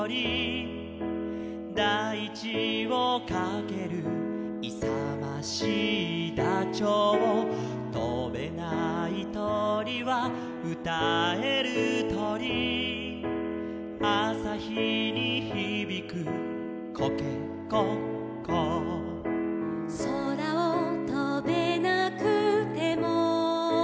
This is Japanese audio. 「だいちをかける」「いさましいダチョウ」「とべないとりはうたえるとり」「あさひにひびくコケコッコー」「そらをとべなくても」